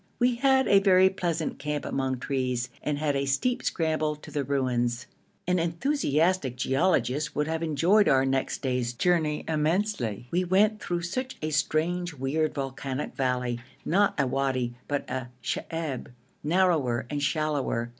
We had a very pleasant camp among trees, and had a steep scramble to the ruins. An enthusiastic geologist would have enjoyed our next day's journey immensely; we went through such a strange weird volcanic valley not a wadi, but a sheb, narrower and shallower.